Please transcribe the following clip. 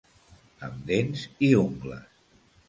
Amb dents i ungles.